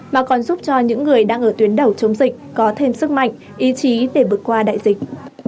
mà còn giúp cho những người đang ở tuyến đầu chống dịch có thêm sức mạnh ý chí để vượt qua đại dịch